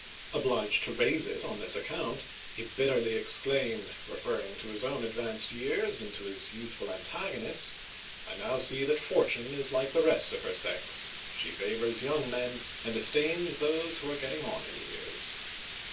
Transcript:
Obliged to raise it on this ac count, he bitterly exclaimed, referring to his own advanced years and to his youthful antagonist :" I now see that Fortune is like the rest of her sex; she favors young men and disdains those who are getting on in years